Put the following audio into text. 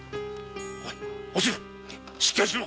おつるしっかりしろ！